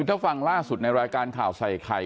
ถ้าฟังล่าสุดในรายการข่าวใส่ไข่